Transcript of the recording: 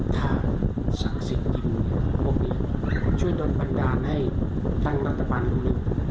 ทางศักดิ์สิทธิ์จริงพวกนี้ช่วยโดนบันดาลให้ตั้งรัฐบาลลูกหนึ่ง